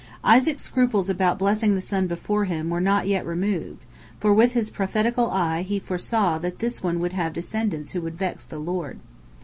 Isaac's scruples about blessing the son before him were not yet removed, for with his prophetical eye he foresaw that this one would have descendants who would vex the Lord.